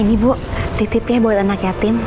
ini bu titipnya buat anak yatim